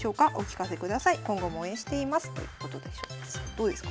どうですか？